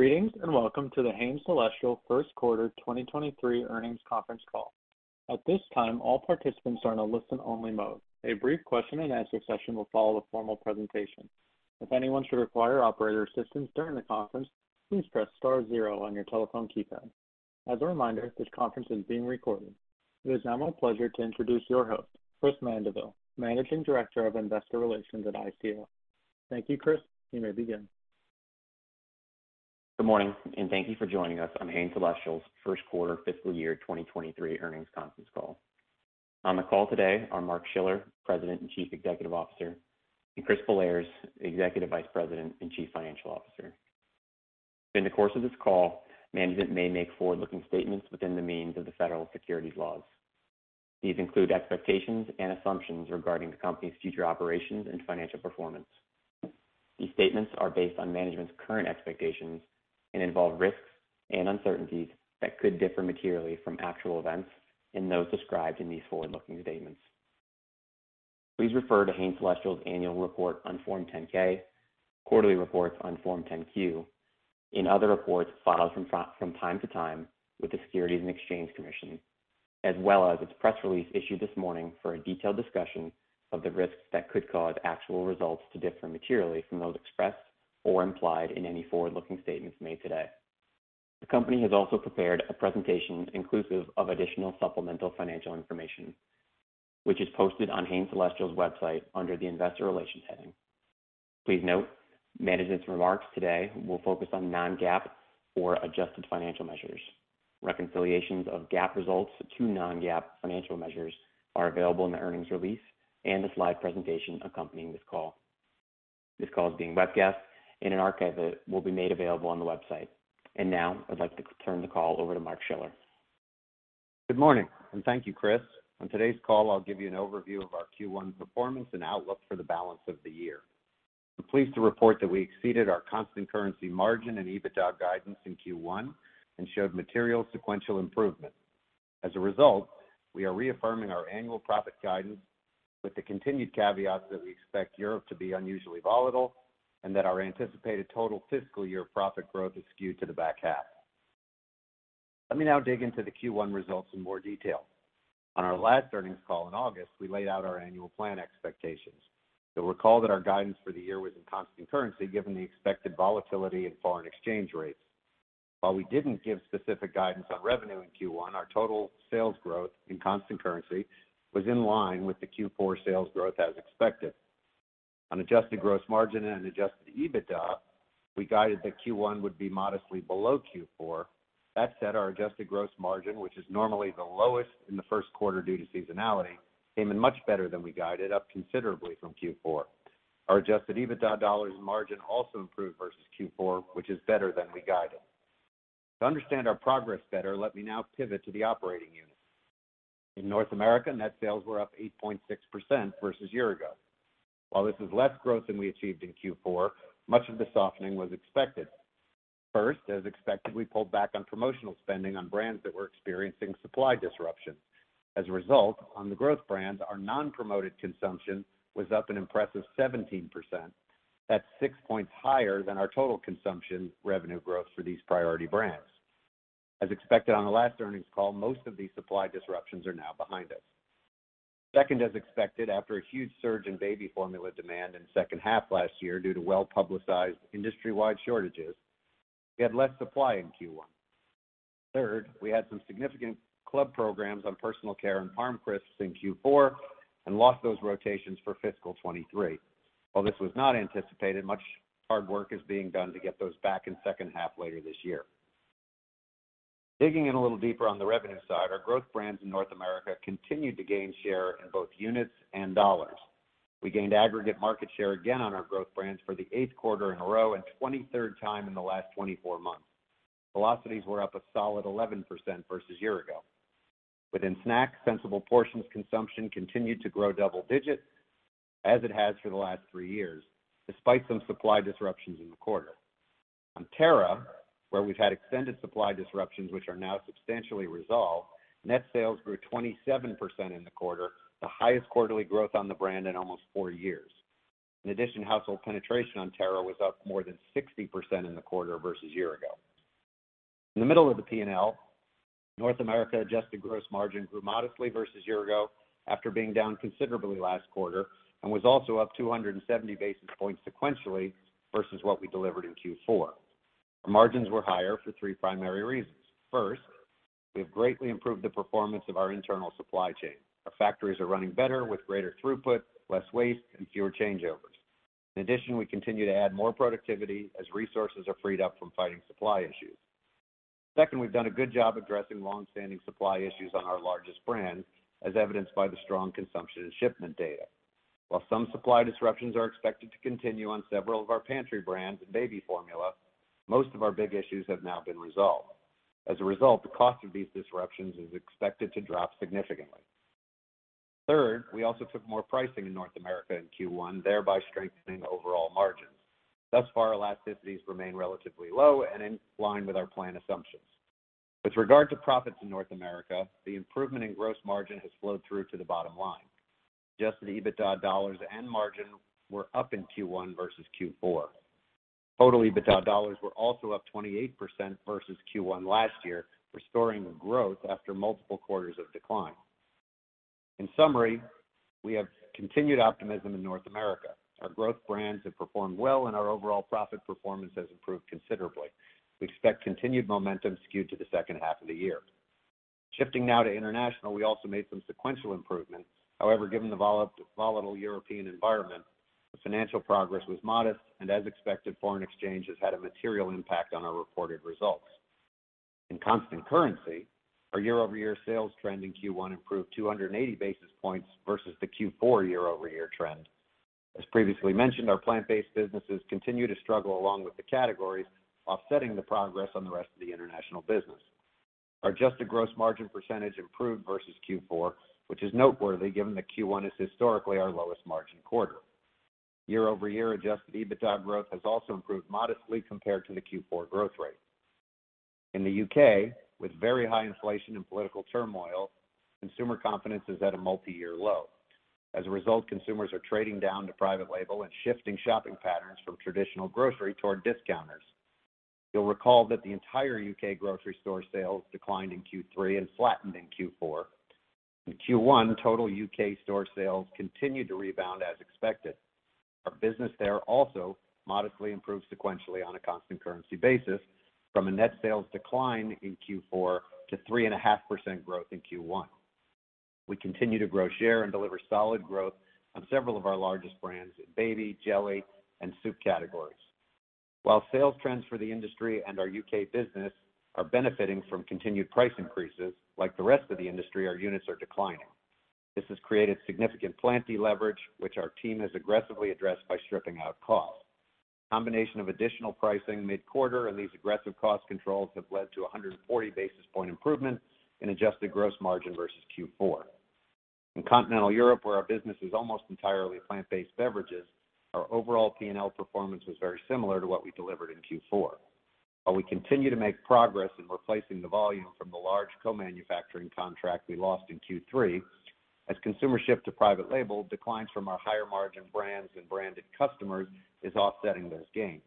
Greetings, and welcome to the Hain Celestial first quarter 2023 earnings conference call. At this time, all participants are in a listen-only mode. A brief question and answer session will follow the formal presentation. If anyone should require operator assistance during the conference, please press star zero on your telephone keypad. As a reminder, this conference is being recorded. It is now my pleasure to introduce your host, Chris Mandeville, Managing Director of Investor Relations at ICR. Thank you, Chris. You may begin. Good morning, and thank you for joining us on Hain Celestial's first quarter fiscal year 2023 earnings conference call. On the call today are Mark Schiller, President and Chief Executive Officer, and Chris Bellairs, Executive Vice President and Chief Financial Officer. During the course of this call, management may make forward-looking statements within the meaning of the federal securities laws. These include expectations and assumptions regarding the company's future operations and financial performance. These statements are based on management's current expectations and involve risks and uncertainties that could differ materially from actual events and those described in these forward-looking statements. Please refer to Hain Celestial's annual report on Form 10-K, quarterly reports on Form 10-Q, and other reports filed from time to time with the Securities and Exchange Commission, as well as its press release issued this morning for a detailed discussion of the risks that could cause actual results to differ materially from those expressed or implied in any forward-looking statements made today. The company has also prepared a presentation inclusive of additional supplemental financial information, which is posted on Hain Celestial's website under the investor relations heading. Please note, management's remarks today will focus on non-GAAP or adjusted financial measures. Reconciliations of GAAP results to non-GAAP financial measures are available in the earnings release and the slide presentation accompanying this call. This call is being webcast and an archive of it will be made available on the website. Now, I'd like to turn the call over to Mark Schiller. Good morning, and thank you, Chris. On today's call, I'll give you an overview of our Q1 performance and outlook for the balance of the year. I'm pleased to report that we exceeded our constant currency margin and EBITDA guidance in Q1 and showed material sequential improvement. As a result, we are reaffirming our annual profit guidance with the continued caveats that we expect Europe to be unusually volatile and that our anticipated total fiscal year profit growth is skewed to the back half. Let me now dig into the Q1 results in more detail. On our last earnings call in August, we laid out our annual plan expectations. You'll recall that our guidance for the year was in constant currency, given the expected volatility in foreign exchange rates. While we didn't give specific guidance on revenue in Q1, our total sales growth in constant currency was in line with the Q4 sales growth as expected. On adjusted gross margin and adjusted EBITDA, we guided that Q1 would be modestly below Q4. That said, our adjusted gross margin, which is normally the lowest in the first quarter due to seasonality, came in much better than we guided, up considerably from Q4. Our adjusted EBITDA dollars margin also improved versus Q4, which is better than we guided. To understand our progress better, let me now pivot to the operating units. In North America, net sales were up 8.6% versus year-ago. While this is less growth than we achieved in Q4, much of the softening was expected. First, as expected, we pulled back on promotional spending on brands that were experiencing supply disruption. As a result, on the growth brands, our non-promoted consumption was up an impressive 17%. That's six points higher than our total consumption revenue growth for these priority brands. As expected on the last earnings call, most of these supply disruptions are now behind us. Second, as expected, after a huge surge in baby formula demand in second half last year due to well-publicized industry-wide shortages, we had less supply in Q1. Third, we had some significant club programs on personal care and ParmCrisps in Q4 and lost those rotations for fiscal 2023. While this was not anticipated, much hard work is being done to get those back in second half later this year. Digging in a little deeper on the revenue side, our growth brands in North America continued to gain share in both units and dollars. We gained aggregate market share again on our growth brands for the eighth quarter in a row and 23rd time in the last 24 months. Velocities were up a solid 11% versus year-ago. Within snacks, Sensible Portions consumption continued to grow double digits as it has for the last three years, despite some supply disruptions in the quarter. On Terra, where we've had extended supply disruptions, which are now substantially resolved, net sales grew 27% in the quarter, the highest quarterly growth on the brand in almost four years. In addition, household penetration on Terra was up more than 60% in the quarter versus year-ago. In the middle of the P&L, North America adjusted gross margin grew modestly versus year-ago after being down considerably last quarter and was also up 270 basis points sequentially versus what we delivered in Q4. Our margins were higher for three primary reasons. First, we have greatly improved the performance of our internal supply chain. Our factories are running better with greater throughput, less waste, and fewer changeovers. In addition, we continue to add more productivity as resources are freed up from fighting supply issues. Second, we've done a good job addressing long-standing supply issues on our largest brands, as evidenced by the strong consumption and shipment data. While some supply disruptions are expected to continue on several of our pantry brands and baby formula, most of our big issues have now been resolved. As a result, the cost of these disruptions is expected to drop significantly. Third, we also took more pricing in North America in Q1, thereby strengthening overall margins. Thus far, elasticities remain relatively low and in line with our plan assumptions. With regard to profits in North America, the improvement in gross margin has flowed through to the bottom line. Adjusted EBITDA dollars and margin were up in Q1 versus Q4. Total EBITDA dollars were also up 28% versus Q1 last year, restoring the growth after multiple quarters of decline. In summary, we have continued optimism in North America. Our growth brands have performed well, and our overall profit performance has improved considerably. We expect continued momentum skewed to the second half of the year. Shifting now to international, we also made some sequential improvements. However, given the volatile European environment, the financial progress was modest, and as expected, foreign exchange has had a material impact on our reported results. In constant currency, our year-over-year sales trend in Q1 improved 280 basis points versus the Q4 year-over-year trend. As previously mentioned, our plant-based businesses continue to struggle along with the categories, offsetting the progress on the rest of the international business. Our adjusted gross margin percentage improved versus Q4, which is noteworthy given that Q1 is historically our lowest margin quarter. Year-over-year adjusted EBITDA growth has also improved modestly compared to the Q4 growth rate. In the U.K., with very high inflation and political turmoil, consumer confidence is at a multi-year low. As a result, consumers are trading down to private label and shifting shopping patterns from traditional grocery toward discounters. You'll recall that the entire U.K. grocery store sales declined in Q3 and flattened in Q4. In Q1, total U.K. store sales continued to rebound as expected. Our business there also modestly improved sequentially on a constant currency basis from a net sales decline in Q4 to 3.5% growth in Q1. We continue to grow share and deliver solid growth on several of our largest brands in baby, jelly, and soup categories. While sales trends for the industry and our U.K. business are benefiting from continued price increases, like the rest of the industry, our units are declining. This has created significant plant deleverage, which our team has aggressively addressed by stripping out costs. Combination of additional pricing mid-quarter and these aggressive cost controls have led to 140 basis point improvement in adjusted gross margin versus Q4. In Continental Europe, where our business is almost entirely plant-based beverages, our overall P&L performance was very similar to what we delivered in Q4. While we continue to make progress in replacing the volume from the large co-manufacturing contract we lost in Q3, as consumer shift to private label, declines from our higher margin brands and branded customers is offsetting those gains.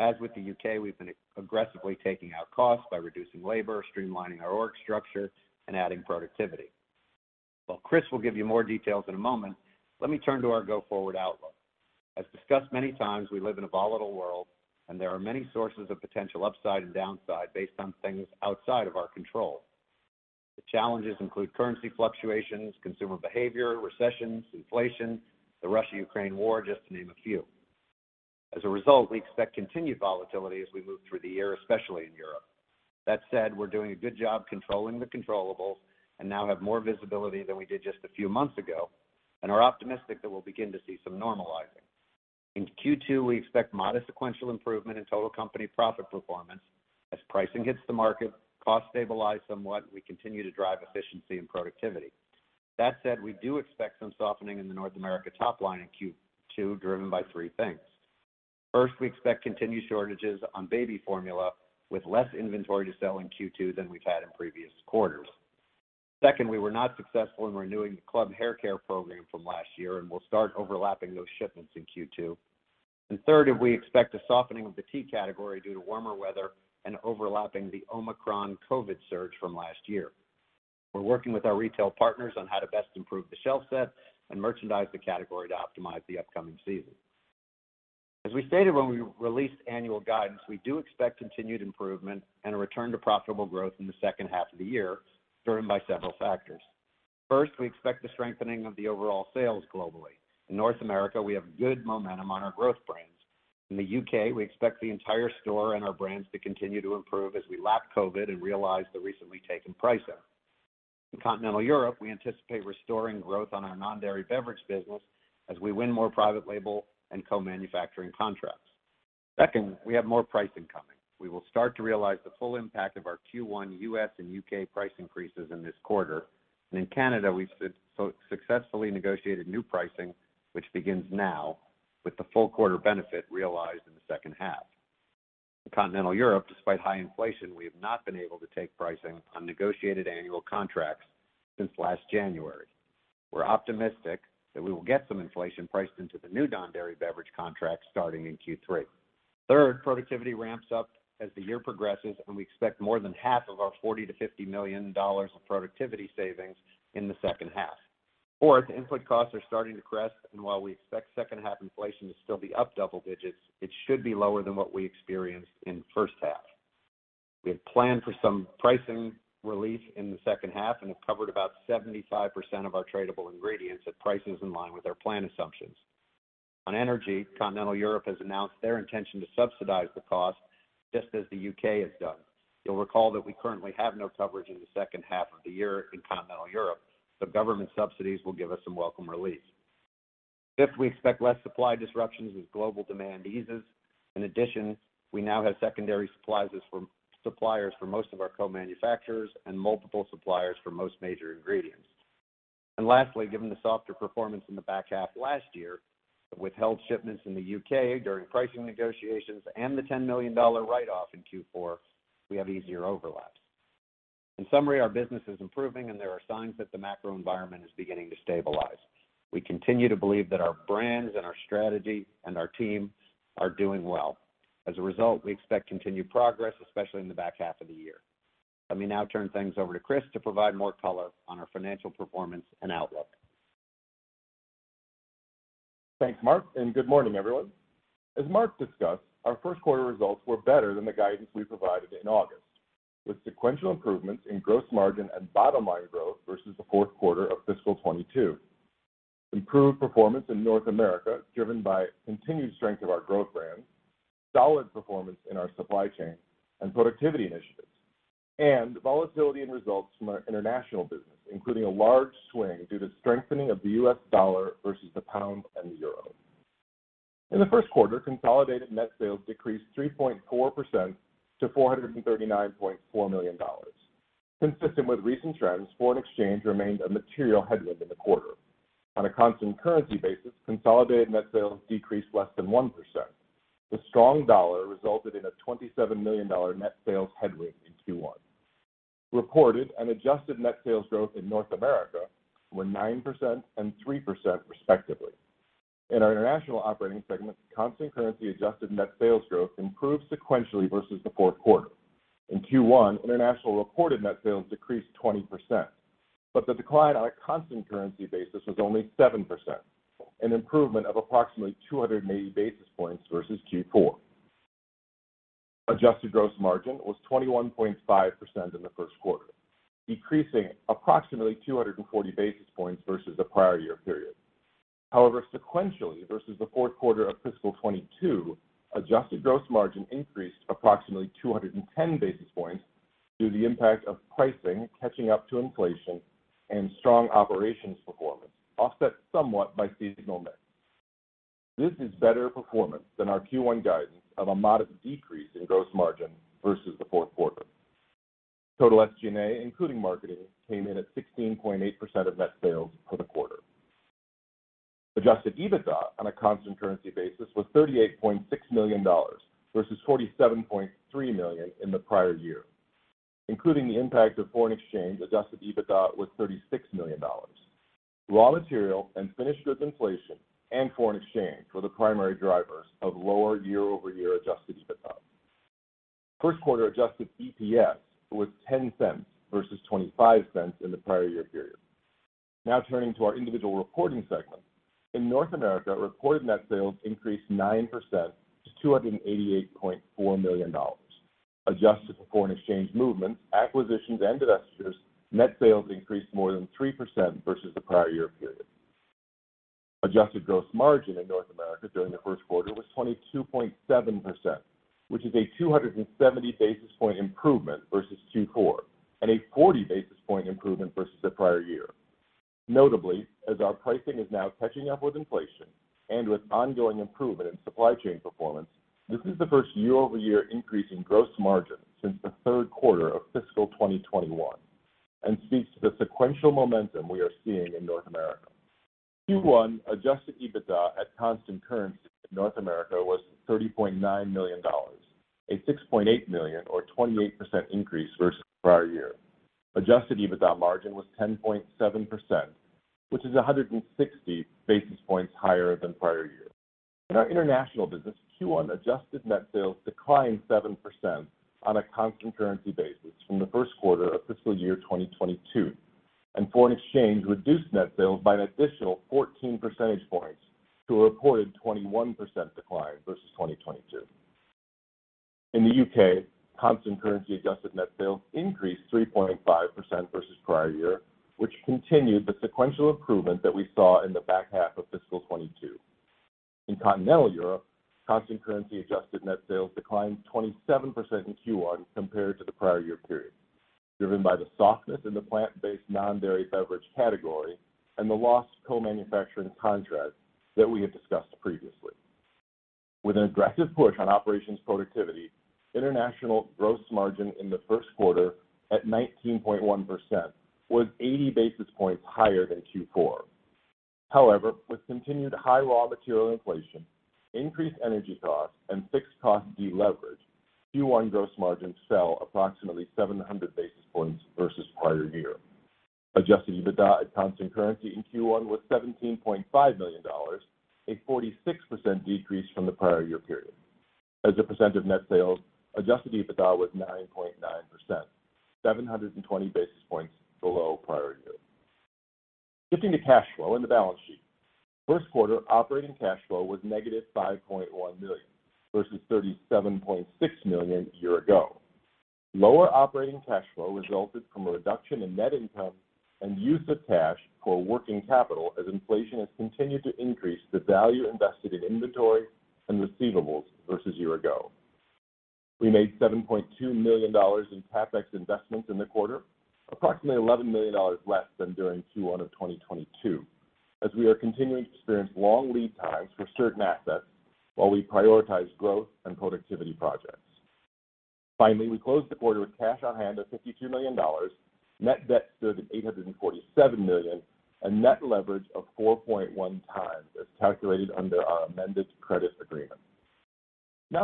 As with the U.K., we've been aggressively taking out costs by reducing labor, streamlining our org structure, and adding productivity. While Chris will give you more details in a moment, let me turn to our go-forward outlook. As discussed many times, we live in a volatile world, and there are many sources of potential upside and downside based on things outside of our control. The challenges include currency fluctuations, consumer behavior, recessions, inflation, the Russia-Ukraine war, just to name a few. As a result, we expect continued volatility as we move through the year, especially in Europe. That said, we're doing a good job controlling the controllables and now have more visibility than we did just a few months ago and are optimistic that we'll begin to see some normalizing. In Q2, we expect modest sequential improvement in total company profit performance as pricing hits the market, costs stabilize somewhat, and we continue to drive efficiency and productivity. That said, we do expect some softening in the North America top line in Q2 driven by three things. First, we expect continued shortages on baby formula with less inventory to sell in Q2 than we've had in previous quarters. Second, we were not successful in renewing the club haircare program from last year, and we'll start overlapping those shipments in Q2. Third, we expect a softening of the tea category due to warmer weather and overlapping the Omicron COVID surge from last year. We're working with our retail partners on how to best improve the shelf set and merchandise the category to optimize the upcoming season. As we stated when we released annual guidance, we do expect continued improvement and a return to profitable growth in the second half of the year, driven by several factors. First, we expect the strengthening of the overall sales globally. In North America, we have good momentum on our growth brands. In the U.K., we expect the entire store and our brands to continue to improve as we lap COVID and realize the recently taken price increase. In Continental Europe, we anticipate restoring growth on our non-dairy beverage business as we win more private label and co-manufacturing contracts. Second, we have more pricing coming. We will start to realize the full impact of our Q1 U.S. and U.K. price increases in this quarter. In Canada, we've successfully negotiated new pricing, which begins now with the full quarter benefit realized in the second half. In Continental Europe, despite high inflation, we have not been able to take pricing on negotiated annual contracts since last January. We're optimistic that we will get some inflation priced into the new non-dairy beverage contracts starting in Q3. Third, productivity ramps up as the year progresses, and we expect more than half of our $40 million-$50 million of productivity savings in the second half. Fourth, input costs are starting to crest, and while we expect second half inflation to still be up double digits, it should be lower than what we experienced in the first half. We have planned for some pricing relief in the second half and have covered about 75% of our tradable ingredients at prices in line with our plan assumptions. On energy, Continental Europe has announced their intention to subsidize the cost, just as the U.K. has done. You'll recall that we currently have no coverage in the second half of the year in Continental Europe, so government subsidies will give us some welcome relief. Fifth, we expect less supply disruptions as global demand eases. In addition, we now have secondary suppliers for most of our co-manufacturers and multiple suppliers for most major ingredients. Lastly, given the softer performance in the back half last year, the withheld shipments in the U.K. during pricing negotiations and the $10 million write-off in Q4, we have easier overlaps. In summary, our business is improving, and there are signs that the macro environment is beginning to stabilize. We continue to believe that our brands and our strategy and our team are doing well. As a result, we expect continued progress, especially in the back half of the year. Let me now turn things over to Chris to provide more color on our financial performance and outlook. Thanks, Mark, and good morning, everyone. As Mark discussed, our first quarter results were better than the guidance we provided in August, with sequential improvements in gross margin and bottom line growth versus the fourth quarter of FY 2022. Improved performance in North America, driven by continued strength of our growth brands, solid performance in our supply chain and productivity initiatives, and volatility in results from our international business, including a large swing due to strengthening of the U.S. dollar versus the GBP and the EUR. In the first quarter, consolidated net sales decreased 3.4% to $439.4 million. Consistent with recent trends, foreign exchange remained a material headwind in the quarter. On a constant currency basis, consolidated net sales decreased less than 1%. The strong dollar resulted in a $27 million net sales headwind in Q1. Reported and adjusted net sales growth in North America were 9% and 3% respectively. In our international operating segment, constant currency adjusted net sales growth improved sequentially versus the fourth quarter. In Q1, international reported net sales decreased 20%, but the decline on a constant currency basis was only 7%, an improvement of approximately 280 basis points versus Q4. Adjusted gross margin was 21.5% in the first quarter, decreasing approximately 240 basis points versus the prior year period. However, sequentially versus the fourth quarter of FY 2022, adjusted gross margin increased approximately 210 basis points due to the impact of pricing catching up to inflation and strong operations performance, offset somewhat by seasonal mix. This is better performance than our Q1 guidance of a modest decrease in gross margin versus the fourth quarter. Total SG&A, including marketing, came in at 16.8% of net sales for the quarter. Adjusted EBITDA on a constant currency basis was $38.6 million, versus $47.3 million in the prior year. Including the impact of foreign exchange, adjusted EBITDA was $36 million. Raw material and finished goods inflation and foreign exchange were the primary drivers of lower year-over-year adjusted EBITDA. First quarter adjusted EPS was $0.10 versus $0.25 in the prior year period. Now turning to our individual reporting segments. In North America, reported net sales increased 9% to $288.4 million. Adjusted for foreign exchange movements, acquisitions, and divestitures, net sales increased more than 3% versus the prior year period. Adjusted gross margin in North America during the first quarter was 22.7%, which is a 270 basis point improvement versus Q4, and a 40 basis point improvement versus the prior year. Notably, as our pricing is now catching up with inflation and with ongoing improvement in supply chain performance, this is the first year-over-year increase in gross margin since the third quarter of fiscal 2021 and speaks to the sequential momentum we are seeing in North America. Q1 adjusted EBITDA at constant currency in North America was $30.9 million, a $6.8 million or 28% increase versus prior year. Adjusted EBITDA margin was 10.7%, which is a 160 basis points higher than prior year. In our international business, Q1 adjusted net sales declined 7% on a constant currency basis from the first quarter of fiscal year 2022, and foreign exchange reduced net sales by an additional 14 percentage points to a reported 21% decline versus 2022. In the UK, constant currency adjusted net sales increased 3.5% versus prior year, which continued the sequential improvement that we saw in the back half of fiscal '22. In Continental Europe, constant currency adjusted net sales declined 27% in Q1 compared to the prior year period, driven by the softness in the plant-based non-dairy beverage category and the lost co-manufacturing contract that we had discussed previously. With an aggressive push on operations productivity, international gross margin in the first quarter at 19.1% was 80 basis points higher than Q4. However, with continued high raw material inflation, increased energy costs, and fixed cost deleverage, Q1 gross margin fell approximately 700 basis points versus prior year. Adjusted EBITDA at constant currency in Q1 was $17.5 million, a 46% decrease from the prior year period. As a percent of net sales, adjusted EBITDA was 9.9%, 720 basis points below prior year. Shifting to cash flow and the balance sheet. First quarter operating cash flow was negative $5.1 million, versus $37.6 million a year ago. Lower operating cash flow resulted from a reduction in net income and use of cash for working capital as inflation has continued to increase the value invested in inventory and receivables versus year ago. We made $7.2 million in CapEx investments in the quarter, approximately $11 million less than during Q1 of 2022, as we are continuing to experience long lead times for certain assets while we prioritize growth and productivity projects. Finally, we closed the quarter with cash on hand of $52 million, net debt stood at $847 million, a net leverage of 4.1 times as calculated under our amended credit agreement.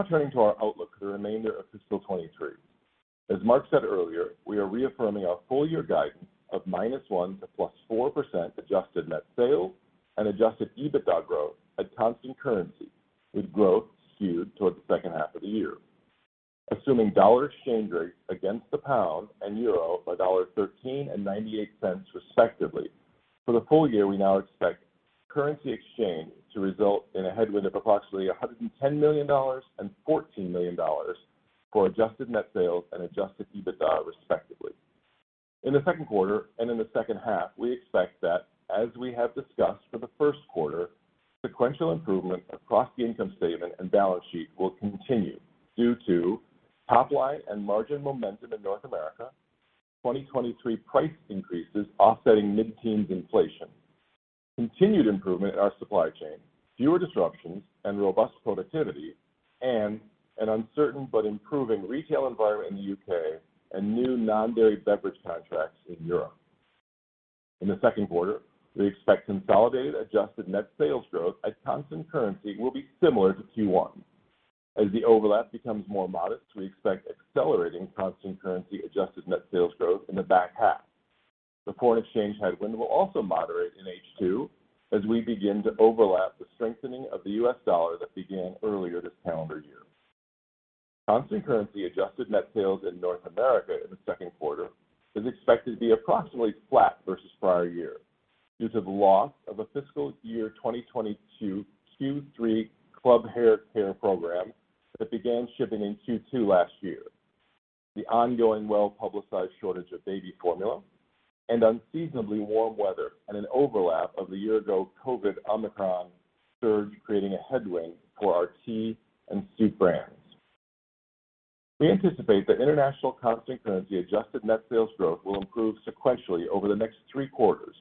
Turning to our outlook for the remainder of fiscal 2023. As Mark said earlier, we are reaffirming our full year guidance of -1% to +4% adjusted net sales and adjusted EBITDA growth at constant currency, with growth skewed towards the second half of the year. Assuming dollar exchange rates against the pound and euro by $1.13 and $0.98 respectively. For the full year, we now expect currency exchange to result in a headwind of approximately $110 million and $14 million for adjusted net sales and adjusted EBITDA, respectively. In the second quarter and in the second half, we expect that, as we have discussed for the first quarter, sequential improvement across the income statement and balance sheet will continue due to top line and margin momentum in North America, 2023 price increases offsetting mid-teens inflation, continued improvement in our supply chain, fewer disruptions, and robust productivity, and an uncertain but improving retail environment in the U.K. and new non-dairy beverage contracts in Europe. In the second quarter, we expect consolidated adjusted net sales growth at constant currency will be similar to Q1. As the overlap becomes more modest, we expect accelerating constant currency adjusted net sales growth in the back half. The foreign exchange headwind will also moderate in H2 as we begin to overlap the strengthening of the U.S. dollar that began earlier this calendar year. Constant currency adjusted net sales in North America in the second quarter is expected to be approximately flat versus prior year due to the loss of a fiscal year 2022 Q3 club haircare program that began shipping in Q2 last year, the ongoing well-publicized shortage of baby formula, and unseasonably warm weather and an overlap of the year-ago COVID Omicron surge, creating a headwind for our tea and soup brands. We anticipate that international constant currency adjusted net sales growth will improve sequentially over the next three quarters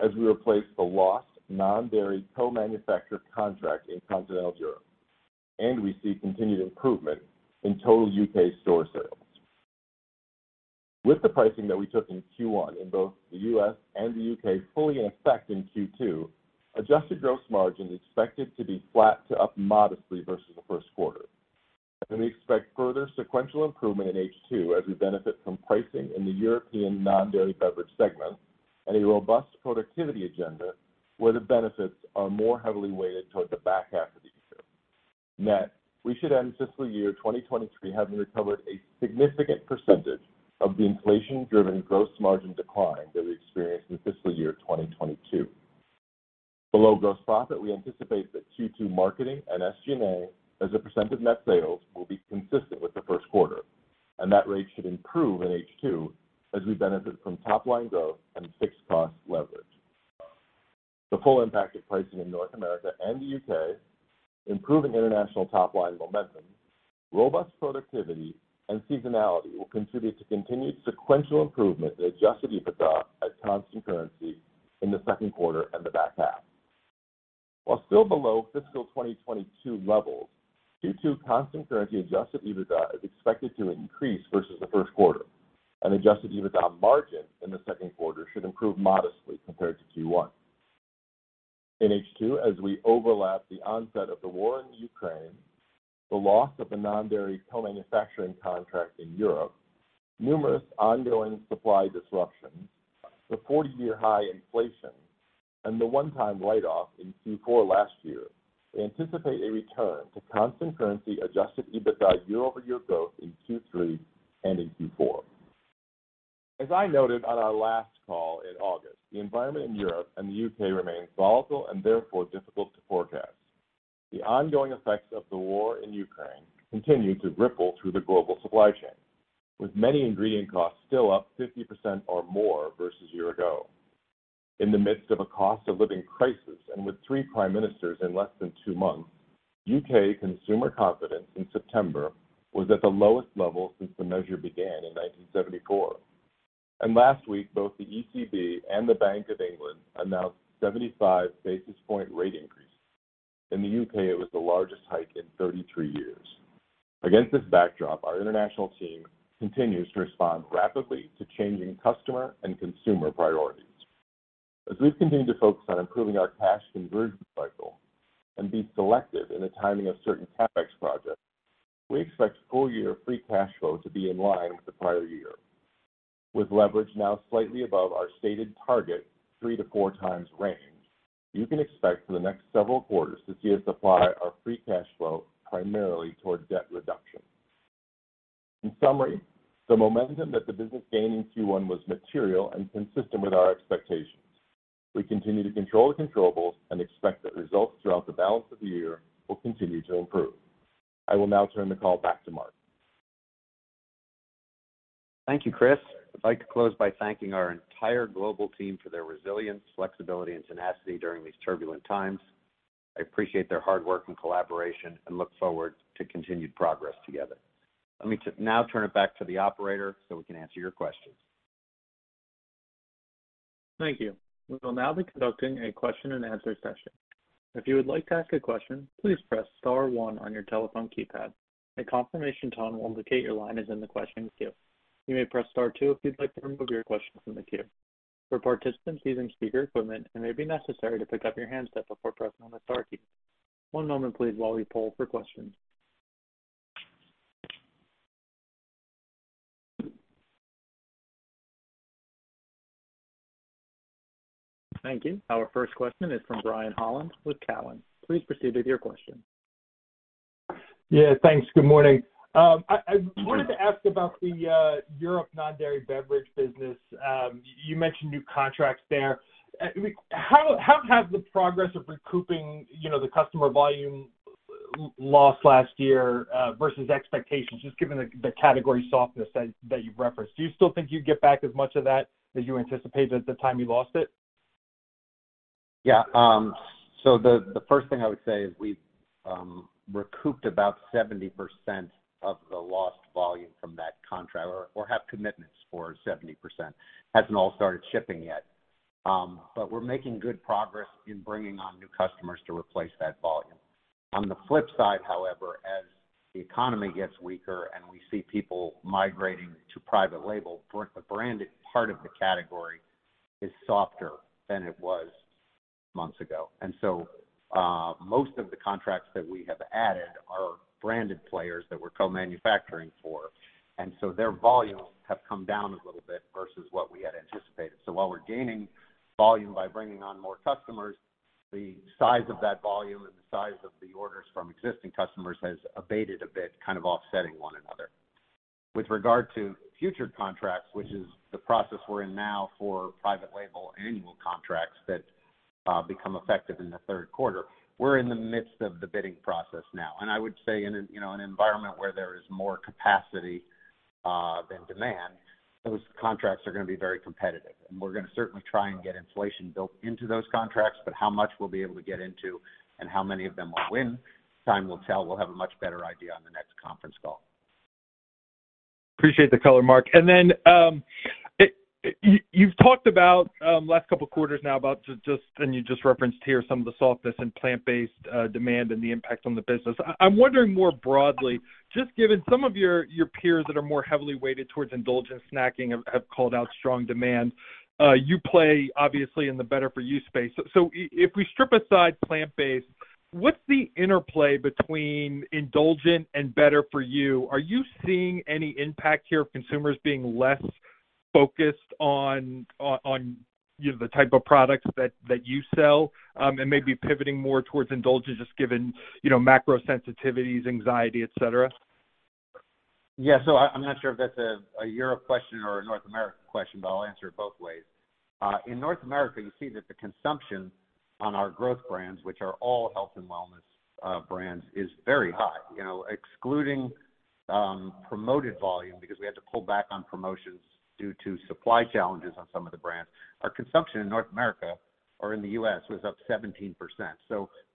as we replace the lost non-dairy co-manufactured contract in Continental Europe, and we see continued improvement in total U.K. store sales. With the pricing that we took in Q1 in both the U.S. and the U.K. fully in effect in Q2, adjusted gross margin is expected to be flat to up modestly versus the first quarter. We expect further sequential improvement in H2 as we benefit from pricing in the European non-dairy beverage segment and a robust productivity agenda where the benefits are more heavily weighted towards the back half of the year. Net, we should end fiscal year 2023 having recovered a significant percentage of the inflation-driven gross margin decline that we experienced in fiscal year 2022. Below gross profit, we anticipate that Q2 marketing and SG&A as a % of net sales will be consistent with the first quarter. That rate should improve in H2 as we benefit from top-line growth and fixed cost leverage. The full impact of pricing in North America and the U.K., improving international top-line momentum, robust productivity, and seasonality will contribute to continued sequential improvement in adjusted EBITDA at constant currency in the second quarter and the back half. While still below fiscal 2022 levels, Q2 constant currency adjusted EBITDA is expected to increase versus the first quarter, and adjusted EBITDA margin in the second quarter should improve modestly compared to Q1. In H2, as we overlap the onset of the war in Ukraine, the loss of a non-dairy co-manufacturing contract in Europe, numerous ongoing supply disruptions, the 40-year high inflation, and the one-time write-off in Q4 last year, we anticipate a return to constant currency adjusted EBITDA year-over-year growth in Q3 and in Q4. As I noted on our last call in August, the environment in Europe and the U.K. remains volatile and therefore difficult to forecast. The ongoing effects of the war in Ukraine continue to ripple through the global supply chain, with many ingredient costs still up 50% or more versus year ago. In the midst of a cost of living crisis and with three prime ministers in less than two months, U.K. consumer confidence in September was at the lowest level since the measure began in 1974. Last week, both the ECB and the Bank of England announced a 75 basis point rate increase. In the U.K., it was the largest hike in 33 years. Against this backdrop, our international team continues to respond rapidly to changing customer and consumer priorities. As we've continued to focus on improving our cash conversion cycle and be selective in the timing of certain CapEx projects, we expect full-year free cash flow to be in line with the prior year. With leverage now slightly above our stated target three to four times range, you can expect for the next several quarters to see us deploy our free cash flow primarily toward debt reduction. In summary, the momentum that the business gained in Q1 was material and consistent with our expectations. We continue to control the controllables and expect that results throughout the balance of the year will continue to improve. I will now turn the call back to Mark. Thank you, Chris. I'd like to close by thanking our entire global team for their resilience, flexibility, and tenacity during these turbulent times. I appreciate their hard work and collaboration and look forward to continued progress together. Let me now turn it back to the operator so we can answer your questions. Thank you. We will now be conducting a question and answer session. If you would like to ask a question, please press star one on your telephone keypad. A confirmation tone will indicate your line is in the questions queue. You may press star two if you would like to remove your question from the queue. For participants using speaker equipment, it may be necessary to pick up your handset before pressing the star key. One moment please while we poll for questions. Thank you. Our first question is from Brian Holland with Cowen. Please proceed with your question. Thanks. Good morning. I wanted to ask about the Europe non-dairy beverage business. You mentioned new contracts there. How has the progress of recouping the customer volume loss last year versus expectations, just given the category softness that you've referenced? Do you still think you'd get back as much of that as you anticipated at the time you lost it? The first thing I would say is we've recouped about 70% of the lost volume from that contract or have commitments for 70%. Hasn't all started shipping yet. We're making good progress in bringing on new customers to replace that volume. On the flip side, however, as the economy gets weaker and we see people migrating to private label, the branded part of the category is softer than it was months ago. Most of the contracts that we have added are branded players that we're co-manufacturing for, and so their volumes have come down a little bit versus what we had anticipated. While we're gaining volume by bringing on more customers, the size of that volume and the size of the orders from existing customers has abated a bit, kind of offsetting one another. With regard to future contracts, which is the process we're in now for private label annual contracts that become effective in the third quarter, we're in the midst of the bidding process now. I would say in an environment where there is more capacity than demand, those contracts are going to be very competitive. We're going to certainly try and get inflation built into those contracts, but how much we'll be able to get into and how many of them we'll win, time will tell. We'll have a much better idea on the next conference call. Appreciate the color, Mark. You've talked about last couple of quarters now about some of the softness in plant-based demand and the impact on the business. I'm wondering more broadly, just given some of your peers that are more heavily weighted towards indulgent snacking have called out strong demand. You play obviously in the better-for-you space. If we strip aside plant-based, what's the interplay between indulgent and better-for-you? Are you seeing any impact here of consumers being less focused on the type of products that you sell, and maybe pivoting more towards indulgence, just given macro sensitivities, anxiety, et cetera? Yeah. I'm not sure if that's a Europe question or a North America question, but I'll answer it both ways. In North America, you see that the consumption on our growth brands, which are all health and wellness brands, is very high. Excluding promoted volume, because we had to pull back on promotions due to supply challenges on some of the brands, our consumption in North America or in the U.S. was up 17%.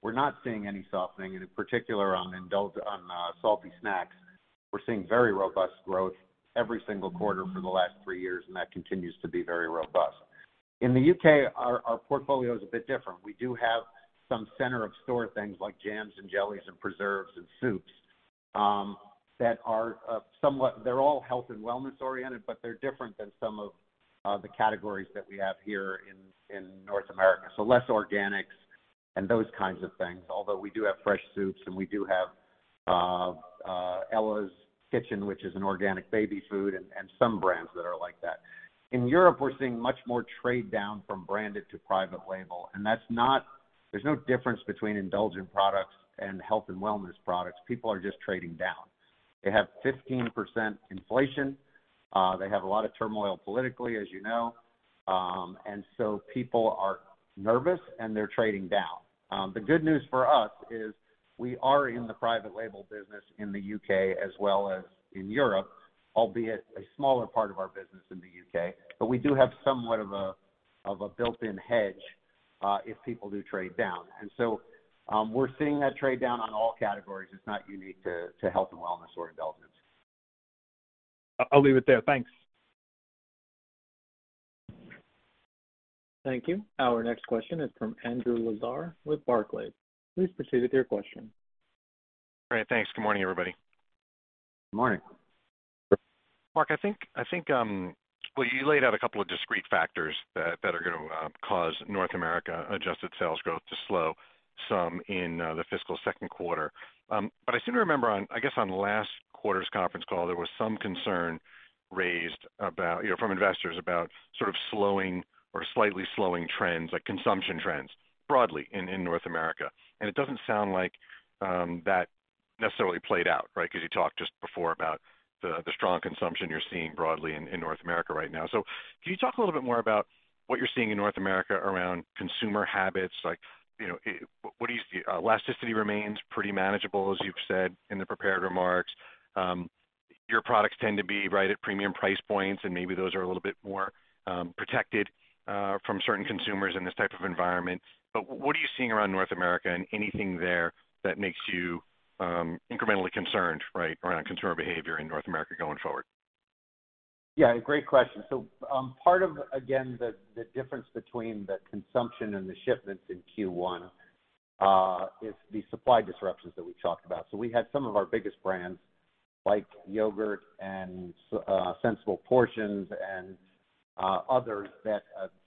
We're not seeing any softening, and in particular on salty snacks, we're seeing very robust growth every single quarter for the last three years, and that continues to be very robust. In the U.K., our portfolio is a bit different. We do have some center of store things like jams and jellies and preserves and soups, that are all health and wellness oriented, but they're different than some of the categories that we have here in North America. Less organics and those kinds of things. Although we do have fresh soups and we do have Ella's Kitchen, which is an organic baby food, and some brands that are like that. In Europe, we're seeing much more trade down from branded to private label. There's no difference between indulgent products and health and wellness products. People are just trading down. They have 15% inflation. They have a lot of turmoil politically, as you know. People are nervous, and they're trading down. The good news for us is we are in the private label business in the U.K. as well as in Europe, albeit a smaller part of our business in the U.K. We do have somewhat of a built-in hedge, if people do trade down. We're seeing that trade down on all categories. It's not unique to health and wellness or indulgence. I'll leave it there. Thanks. Thank you. Our next question is from Andrew Lazar with Barclays. Please proceed with your question. Great. Thanks. Good morning, everybody. Good morning. Mark, I think, well, you laid out a couple of discrete factors that are going to cause North America adjusted sales growth to slow some in the fiscal second quarter. I seem to remember on, I guess, on last quarter's conference call, there was some concern raised from investors about sort of slowing or slightly slowing trends, like consumption trends broadly in North America. It doesn't sound like that necessarily played out, right? Because you talked just before about the strong consumption you're seeing broadly in North America right now. Can you talk a little bit more about what you're seeing in North America around consumer habits? Like, what do you see? Elasticity remains pretty manageable, as you've said in the prepared remarks. Your products tend to be right at premium price points, and maybe those are a little bit more protected from certain consumers in this type of environment. What are you seeing around North America and anything there that makes you incrementally concerned right around consumer behavior in North America going forward? Yeah, great question. Part of, again, the difference between the consumption and the shipments in Q1 is the supply disruptions that we talked about. We had some of our biggest brands, like yogurt and Sensible Portions and others,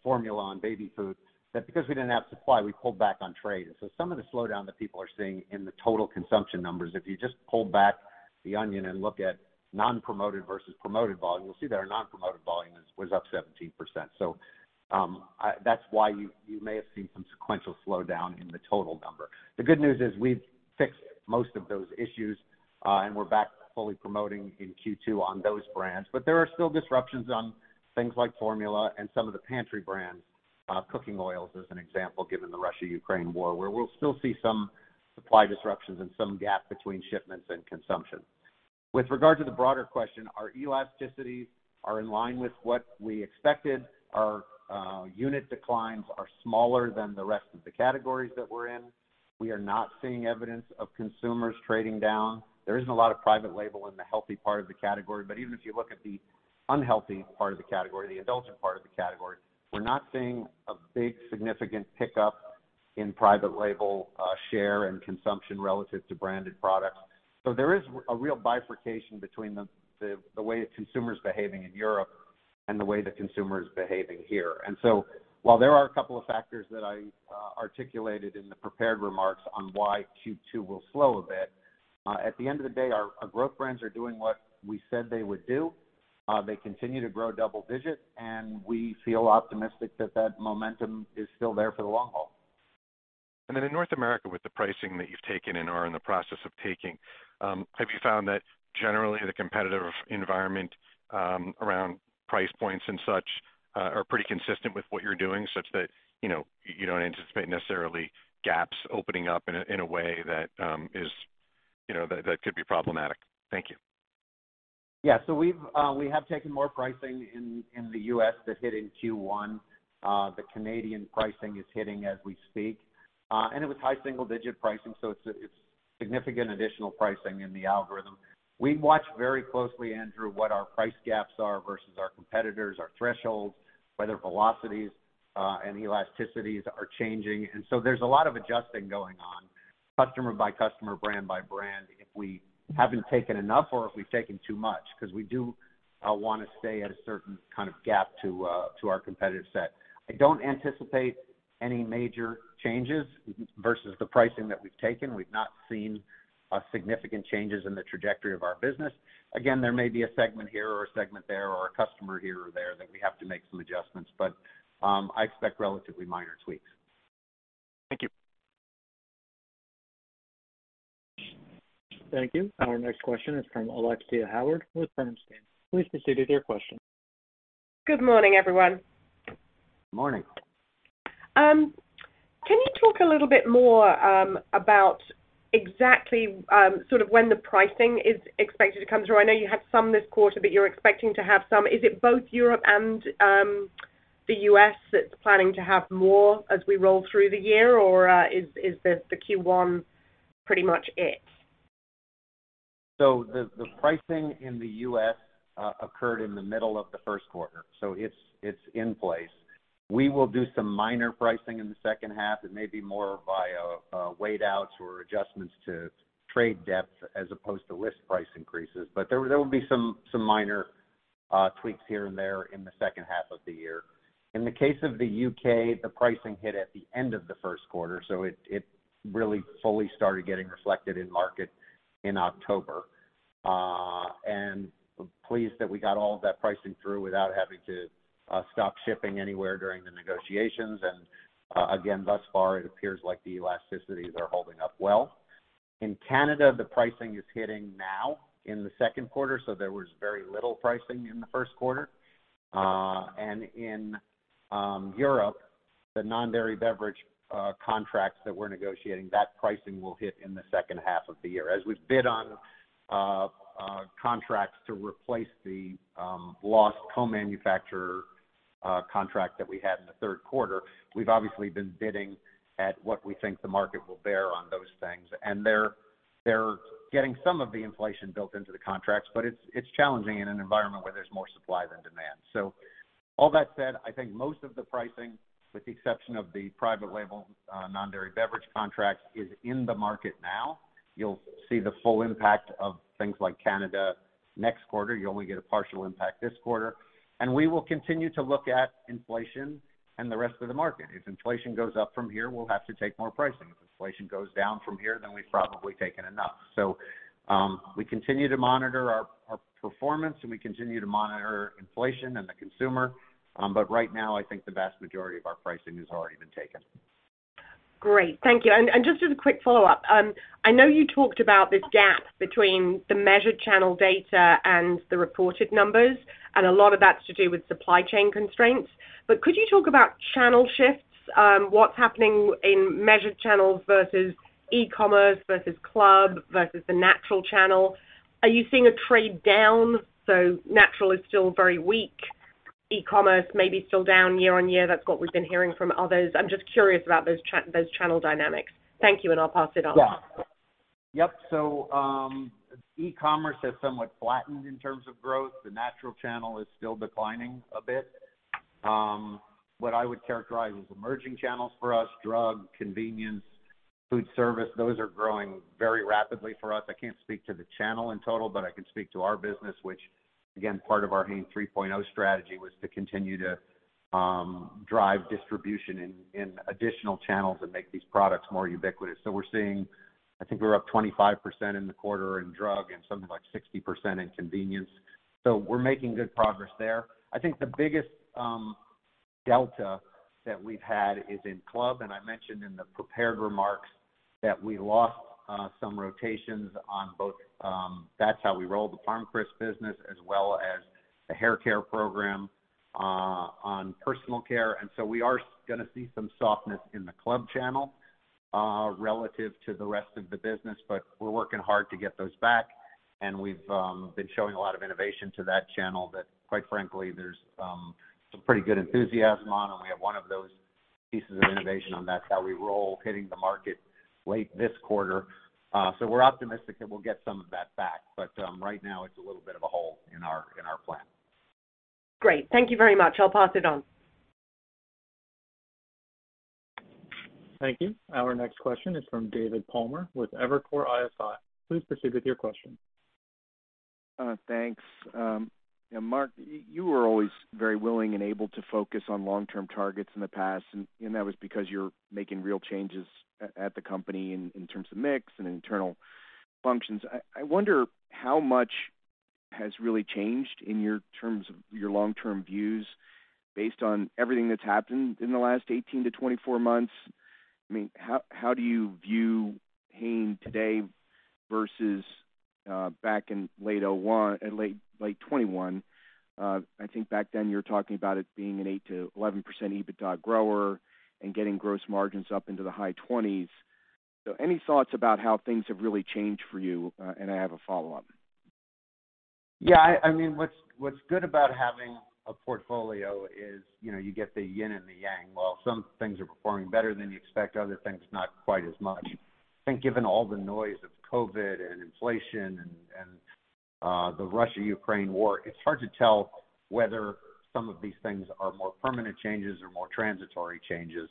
formula and baby food, that because we didn't have supply, we pulled back on trade. Some of the slowdown that people are seeing in the total consumption numbers, if you just pull back the onion and look at non-promoted versus promoted volume, you'll see that our non-promoted volume was up 17%. That's why you may have seen some sequential slowdown in the total number. The good news is we've fixed most of those issues, and we're back fully promoting in Q2 on those brands. There are still disruptions on things like formula and some of the pantry brands, cooking oils as an example, given the Russia-Ukraine war, where we'll still see some supply disruptions and some gap between shipments and consumption. With regard to the broader question, our elasticities are in line with what we expected. Our unit declines are smaller than the rest of the categories that we're in. We are not seeing evidence of consumers trading down. There isn't a lot of private label in the healthy part of the category, but even if you look at the unhealthy part of the category, the indulgent part of the category, we're not seeing a big significant pickup in private label share and consumption relative to branded products. There is a real bifurcation between the way the consumer's behaving in Europe and the way the consumer is behaving here. While there are a couple of factors that I articulated in the prepared remarks on why Q2 will slow a bit, at the end of the day, our growth brands are doing what we said they would do. They continue to grow double-digit, and we feel optimistic that that momentum is still there for the long haul. In North America, with the pricing that you've taken or are in the process of taking, have you found that generally the competitive environment around price points and such are pretty consistent with what you're doing, such that you don't anticipate necessarily gaps opening up in a way that could be problematic? Thank you. Yeah. We have taken more pricing in the U.S. that hit in Q1. The Canadian pricing is hitting as we speak. It was high single-digit pricing, so it's significant additional pricing in the algorithm. We watch very closely, Andrew, what our price gaps are versus our competitors, our thresholds, whether velocities and elasticities are changing. There's a lot of adjusting going on, customer by customer, brand by brand, if we haven't taken enough or if we've taken too much, because we do want to stay at a certain kind of gap to our competitive set. I don't anticipate any major changes versus the pricing that we've taken. We've not seen significant changes in the trajectory of our business. Again, there may be a segment here or a segment there, or a customer here or there that we have to make some adjustments, but I expect relatively minor tweaks. Thank you. Thank you. Our next question is from Alexia Howard with Bernstein. Please proceed with your question. Good morning, everyone. Morning. Can you talk a little bit more about exactly when the pricing is expected to come through? I know you had some this quarter, but you're expecting to have some. Is it both Europe and the U.S. that's planning to have more as we roll through the year, or is the Q1 pretty much it? The pricing in the U.S. occurred in the middle of the first quarter. It's in place. We will do some minor pricing in the second half. It may be more via weight outs or adjustments to trade debts as opposed to list price increases. There will be some minor tweaks here and there in the second half of the year. In the case of the U.K., the pricing hit at the end of the first quarter. It really fully started getting reflected in market in October. Pleased that we got all of that pricing through without having to stop shipping anywhere during the negotiations. Again, thus far it appears like the elasticities are holding up well. In Canada, the pricing is hitting now in the second quarter. There was very little pricing in the first quarter. In Europe, the non-dairy beverage contracts that we're negotiating, that pricing will hit in the second half of the year. As we bid on contracts to replace the lost co-manufacturer contract that we had in the third quarter, we've obviously been bidding at what we think the market will bear on those things. They're getting some of the inflation built into the contracts, but it's challenging in an environment where there's more supply than demand. All that said, I think most of the pricing, with the exception of the private label non-dairy beverage contract, is in the market now. You'll see the full impact of things like Canada next quarter. You only get a partial impact this quarter. We will continue to look at inflation and the rest of the market. If inflation goes up from here, we'll have to take more pricing. If inflation goes down from here, we've probably taken enough. We continue to monitor our performance and we continue to monitor inflation and the consumer. Right now, I think the vast majority of our pricing has already been taken. Great. Thank you. Just as a quick follow-up, I know you talked about this gap between the measured channel data and the reported numbers. A lot of that's to do with supply chain constraints. Could you talk about channel shifts, what's happening in measured channels versus e-commerce versus club versus the natural channel? Are you seeing a trade down? Natural is still very weak. E-commerce may be still down year-over-year. That's what we've been hearing from others. I'm just curious about those channel dynamics. Thank you. I'll pass it on. Yeah. Yep. E-commerce has somewhat flattened in terms of growth. The natural channel is still declining a bit. What I would characterize as emerging channels for us, drug, convenience, food service, those are growing very rapidly for us. I can't speak to the channel in total, but I can speak to our business, which, again, part of our Hain 3.0 strategy was to continue to drive distribution in additional channels and make these products more ubiquitous. We're seeing, I think we're up 25% in the quarter in drug and something like 60% in convenience. We're making good progress there. I think the biggest delta that we've had is in club, and I mentioned in the prepared remarks that we lost some rotations on both That's How We Roll, the Parm Crisps business, as well as the haircare program on personal care. We are going to see some softness in the club channel relative to the rest of the business, but we're working hard to get those back. We've been showing a lot of innovation to that channel that, quite frankly, there's some pretty good enthusiasm on, and we have one of those pieces of innovation on That's How We Roll hitting the market late this quarter. We're optimistic that we'll get some of that back. Right now, it's a little bit of a hole in our plan. Great. Thank you very much. I'll pass it on. Thank you. Our next question is from David Palmer with Evercore ISI. Please proceed with your question. Thanks. Mark, you were always very willing and able to focus on long-term targets in the past, and that was because you are making real changes at the company in terms of mix and internal functions. I wonder how much has really changed in terms of your long-term views based on everything that has happened in the last 18-24 months. How do you view Hain today versus back in late 2021? I think back then you were talking about it being an 8%-11% EBITDA grower and getting gross margins up into the high 20s. Any thoughts about how things have really changed for you? I have a follow-up. Yeah. What is good about having a portfolio is you get the yin and the yang. While some things are performing better than you expect, other things not quite as much. I think given all the noise of COVID and inflation and the Russia-Ukraine war, it is hard to tell whether some of these things are more permanent changes or more transitory changes.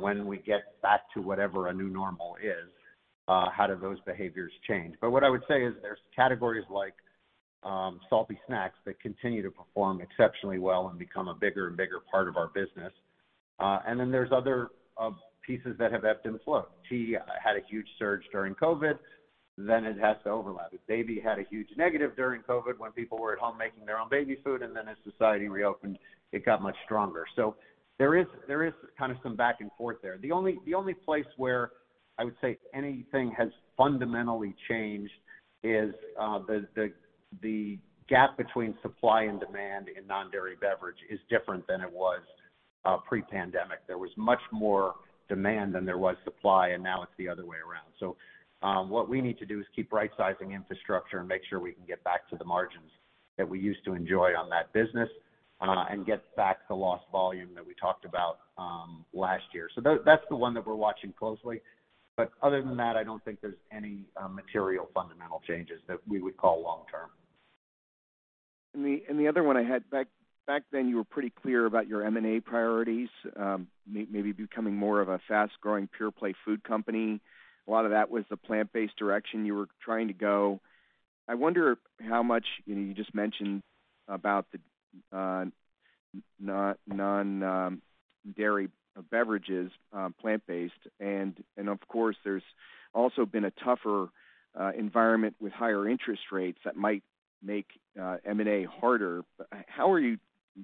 When we get back to whatever a new normal is, how do those behaviors change? What I would say is there are categories like salty snacks that continue to perform exceptionally well and become a bigger and bigger part of our business. There are other pieces that have ebbed and flowed. Tea had a huge surge during COVID, it has to overlap. Baby had a huge negative during COVID when people were at home making their own baby food, as society reopened, it got much stronger. There is some back and forth there. The only place where I would say anything has fundamentally changed is the gap between supply and demand in non-dairy beverage is different than it was pre-pandemic. There was much more demand than there was supply, now it is the other way around. What we need to do is keep right-sizing infrastructure and make sure we can get back to the margins that we used to enjoy on that business, and get back the lost volume that we talked about last year. That is the one that we are watching closely. But other than that, I do not think there are any material fundamental changes that we would call long-term. The other one I had, back then you were pretty clear about your M&A priorities, maybe becoming more of a fast-growing pure-play food company. A lot of that was the plant-based direction you were trying to go. I wonder how much, you just mentioned about the non-dairy beverages, plant-based, and of course, there has also been a tougher environment with higher interest rates that might make M&A harder. How are you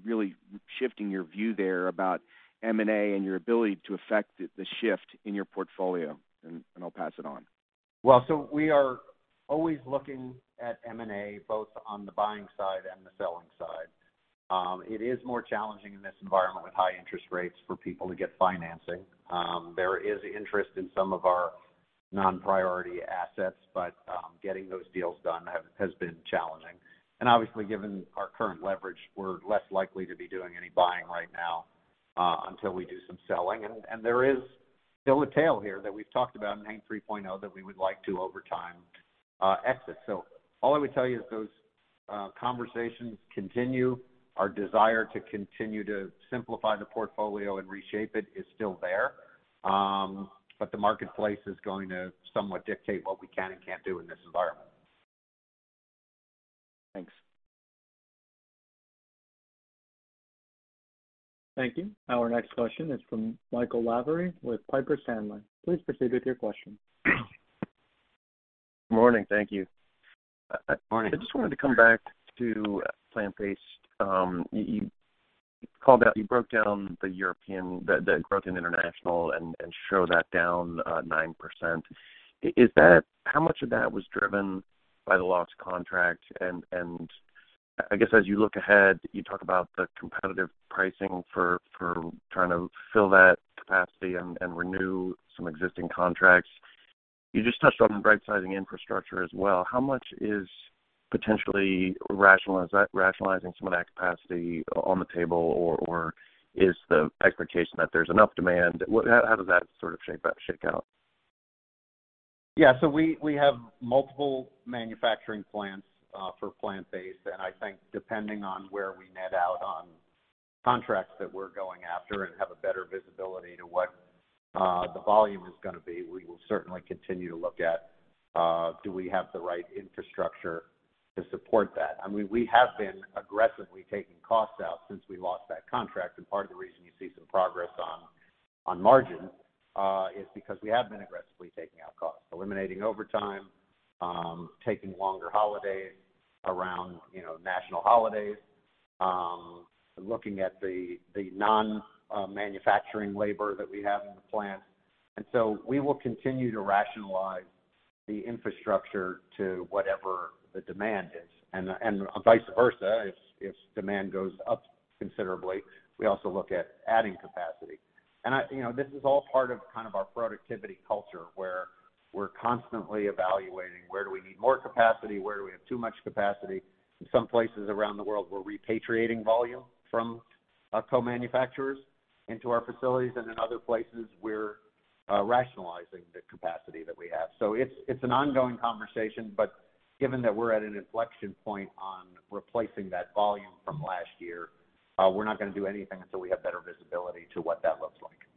really shifting your view there about M&A and your ability to affect the shift in your portfolio? I will pass it on. We are always looking at M&A, both on the buying side and the selling side. It is more challenging in this environment with high interest rates for people to get financing. There is interest in some of our non-priority assets, but getting those deals done has been challenging. Obviously, given our current leverage, we're less likely to be doing any buying right now until we do some selling. There is still a tail here that we've talked about in Hain 3.0 that we would like to, over time, exit. All I would tell you is those conversations continue. Our desire to continue to simplify the portfolio and reshape it is still there. The marketplace is going to somewhat dictate what we can and can't do in this environment. Thanks. Thank you. Our next question is from Michael Lavery with Piper Sandler. Please proceed with your question. Morning. Thank you. Morning. I just wanted to come back to plant-based. You called out the growth in international and show that down 9%. How much of that was driven by the lost contract? I guess as you look ahead, you talk about the competitive pricing for trying to fill that capacity and renew some existing contracts. You just touched on rightsizing infrastructure as well. How much is potentially rationalizing some of that capacity on the table, or is the expectation that there's enough demand? How does that shape out? Yeah. We have multiple manufacturing plants for plant-based, and I think depending on where we net out on contracts that we're going after and have a better visibility to what the volume is going to be, we will certainly continue to look at, do we have the right infrastructure to support that? We have been aggressively taking costs out since we lost that contract, and part of the reason you see some progress on margin is because we have been aggressively taking out costs. Eliminating overtime, taking longer holidays around national holidays, looking at the non-manufacturing labor that we have in the plant. We will continue to rationalize the infrastructure to whatever the demand is. Vice versa, if demand goes up considerably, we also look at adding capacity. This is all part of our productivity culture, where we're constantly evaluating where do we need more capacity, where do we have too much capacity. In some places around the world, we're repatriating volume from our co-manufacturers into our facilities. In other places, we're rationalizing the capacity that we have. It's an ongoing conversation, but given that we're at an inflection point on replacing that volume from last year, we're not going to do anything until we have better visibility to what that looks like.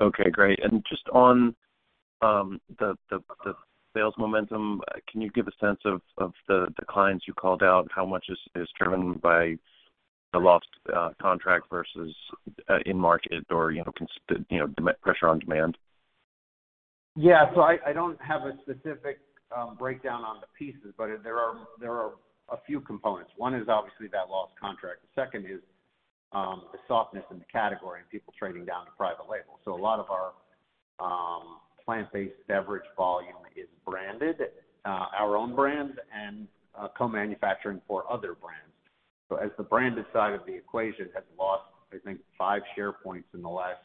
Okay, great. Just on the sales momentum, can you give a sense of the declines you called out? How much is driven by the lost contract versus in market or pressure on demand? Yeah. I don't have a specific breakdown on the pieces, but there are a few components. One is obviously that lost contract. The second is the softness in the category and people trading down to private label. A lot of our plant-based beverage volume is branded, our own brand, and co-manufacturing for other brands. As the branded side of the equation has lost, I think, five share points in the last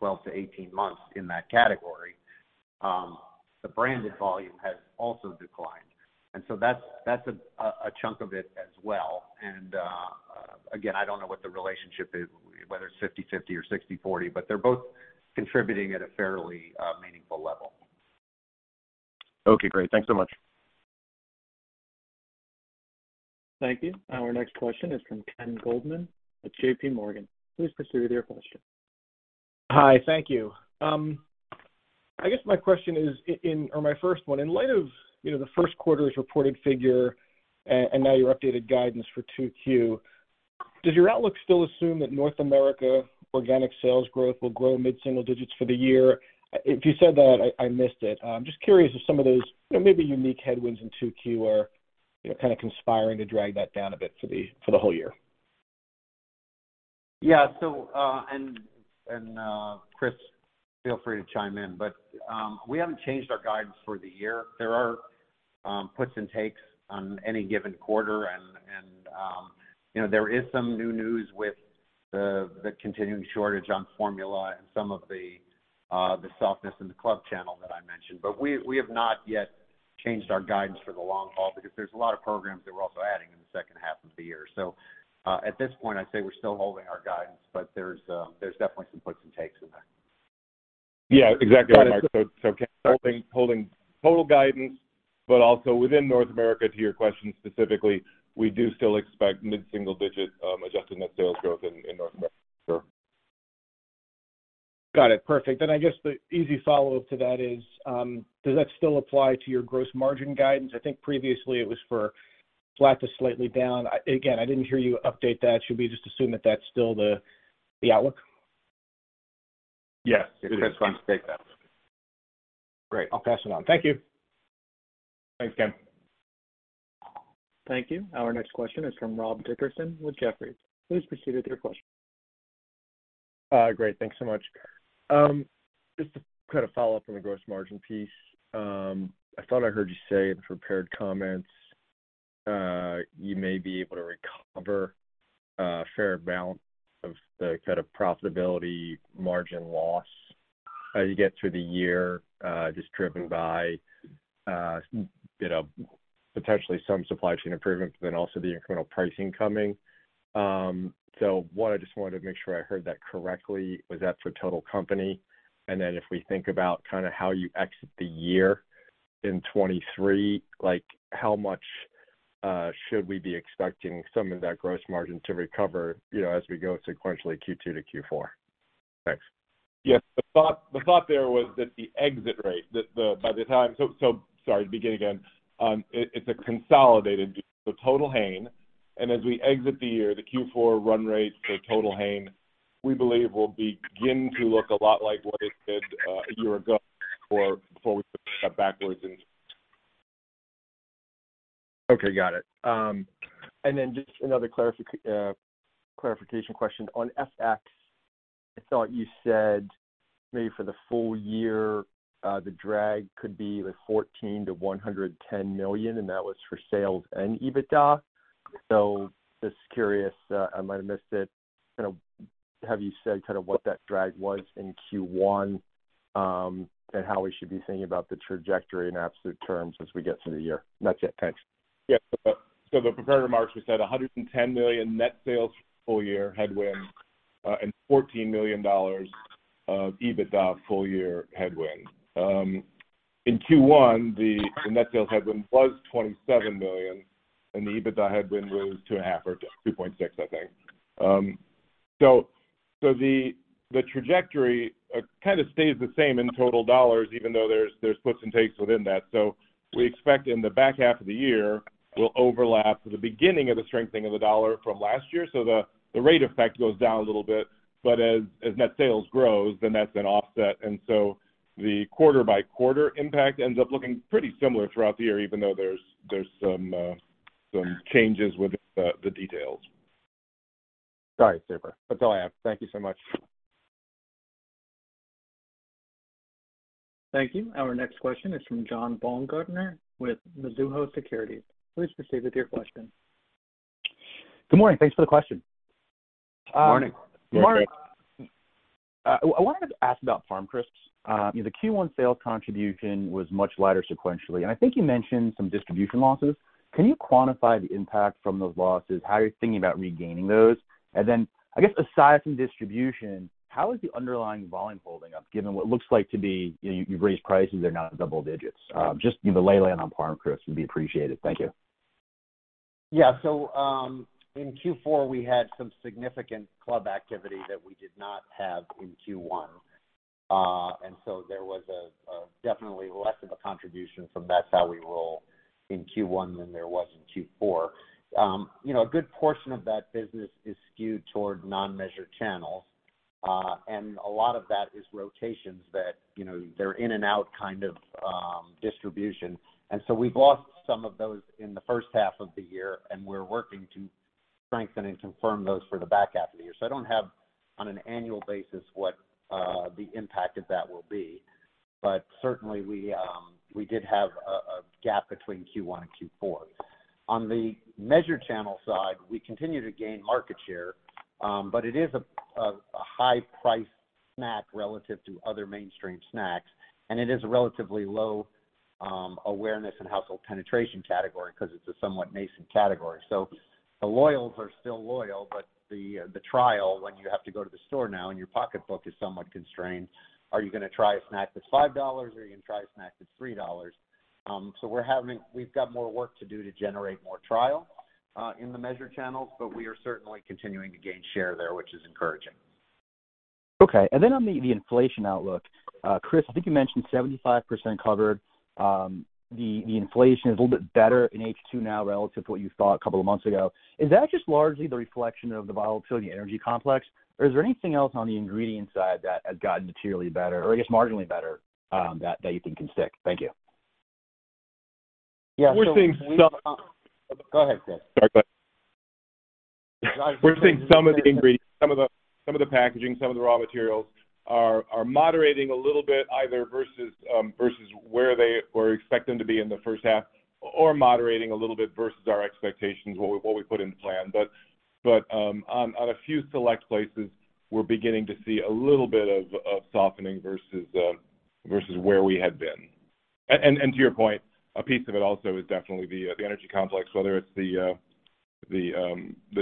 12 to 18 months in that category, the branded volume has also declined. That's a chunk of it as well. Again, I don't know what the relationship is, whether it's 50/50 or 60/40, but they're both contributing at a fairly meaningful level. Okay, great. Thanks so much. Thank you. Our next question is from Ken Goldman at JP Morgan. Please proceed with your question. Hi. Thank you. I guess my question is, or my first one, in light of the first quarter's reported figure and now your updated guidance for two Q, does your outlook still assume that North America organic sales growth will grow mid-single digits for the year? If you said that, I missed it. I'm just curious if some of those maybe unique headwinds in two Q are kind of conspiring to drag that down a bit for the whole year. Yeah. Chris, feel free to chime in, but we haven't changed our guidance for the year. There are puts and takes on any given quarter, and there is some new news with the continuing shortage on formula and some of the softness in the club channel that I mentioned. We have not yet changed our guidance for the long haul because there's a lot of programs that we're also adding in the second half of the year. At this point, I'd say we're still holding our guidance, but there's definitely some puts and takes in there. Yeah, exactly, Mark. Ken, holding total guidance, but also within North America, to your question specifically, we do still expect mid-single digit adjusted net sales growth in North America for Got it. Perfect. I guess the easy follow-up to that is, does that still apply to your gross margin guidance? I think previously it was for flat to slightly down. Again, I didn't hear you update that. Should we just assume that that's still the outlook? Yes, it is. It has gone to take that. Great. I'll pass it on. Thank you. Thanks, Ken. Thank you. Our next question is from Rob Dickerson with Jefferies. Please proceed with your question. Great. Thanks so much. Just to follow up on the gross margin piece. I thought I heard you say in the prepared comments, you may be able to recover a fair balance of the profitability margin loss as you get through the year, just driven by potentially some supply chain improvements, but then also the incremental pricing coming. One, I just wanted to make sure I heard that correctly. Was that for total company? If we think about how you exit the year in 2023, how much should we be expecting some of that gross margin to recover as we go sequentially Q2 to Q4? Thanks. Yes. The thought there was that the exit rate, by the time. Sorry, to begin again. It's a consolidated view, so total Hain, and as we exit the year, the Q4 run rates for total Hain, we believe will begin to look a lot like what it did a year ago before we took a step backwards in Okay, got it. Then just another clarification question on FX. I thought you said maybe for the full year, the drag could be like $14 million-$110 million, and that was for sales and EBITDA. Just curious, I might have missed it. Have you said what that drag was in Q1, and how we should be thinking about the trajectory in absolute terms as we get through the year? That's it. Thanks. The prepared remarks, we said $110 million net sales full year headwind, and $14 million of EBITDA full year headwind. In Q1, the net sales headwind was $27 million, and the EBITDA headwind was two and a half or just 2.6, I think. The trajectory kind of stays the same in total dollars, even though there's gives and takes within that. We expect in the back half of the year will overlap the beginning of the strengthening of the dollar from last year. The rate effect goes down a little bit, but as net sales grows, then that's an offset. The quarter by quarter impact ends up looking pretty similar throughout the year, even though there's some changes within the details. Got it, super. That's all I have. Thank you so much. Thank you. Our next question is from John Baumgartner with Mizuho Securities. Please proceed with your question. Good morning. Thanks for the question. Morning. Mark, I wanted to ask about Parm Crisps. The Q1 sales contribution was much lighter sequentially, and I think you mentioned some distribution losses. Can you quantify the impact from those losses, how you're thinking about regaining those? I guess aside from distribution, how is the underlying volume holding up given what it looks like to me, you've raised prices, they're now in double digits. Just the lay of the land on Parm Crisps would be appreciated. Thank you. Yeah. in Q4 we had some significant club activity that we did not have in Q1. there was definitely less of a contribution from That's How We Roll in Q1 than there was in Q4. A good portion of that business is skewed toward non-measured channels. a lot of that is rotations that, they're in and out kind of distribution. we've lost some of those in the first half of the year, and we're working to strengthen and confirm those for the back half of the year. I don't have, on an annual basis, what the impact of that will be. certainly, we did have a gap between Q1 and Q4. On the measured channel side, we continue to gain market share, but it is a high-priced snack relative to other mainstream snacks, and it is a relatively low awareness and household penetration category because it's a somewhat nascent category. The loyals are still loyal, but the trial, when you have to go to the store now and your pocketbook is somewhat constrained, are you going to try a snack that's $5 or are you going to try a snack that's $3? We've got more work to do to generate more trial, in the measured channels, but we are certainly continuing to gain share there, which is encouraging. Okay. Then on the inflation outlook, Chris, I think you mentioned 75% covered. The inflation is a little bit better in H2 now relative to what you thought a couple of months ago. Is that just largely the reflection of the volatility in the energy complex, or is there anything else on the ingredient side that has gotten materially better or I guess marginally better, that you think can stick? Thank you. Yeah, so- We're seeing some- Go ahead, Chris. Sorry about that. Got it. We're seeing some of the ingredients, some of the packaging, some of the raw materials are moderating a little bit, either versus expect them to be in the first half, or moderating a little bit versus our expectations, what we put in the plan. On a few select places, we're beginning to see a little bit of softening versus where we had been. To your point, a piece of it also is definitely the energy complex, whether it's the